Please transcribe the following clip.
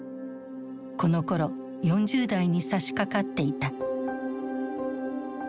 このころ４０代にさしかかっていた。